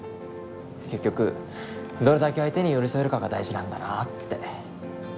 結局どれだけ相手に寄り添えるかが大事なんだなって。